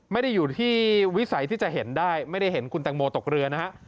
ไม่ได้อยู่ที่วิสัยที่จะเห็นได้ไม่ได้เห็นคุณแตงโมตกเรือนะฮะ